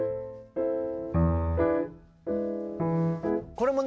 これもね